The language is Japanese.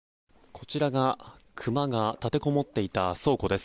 こちらがクマが立てこもっていた倉庫です。